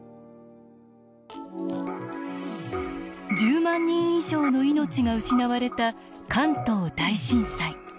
１０万人以上の命が失われた関東大震災。